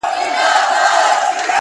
چا له وني څخه وکړله پوښتنه.!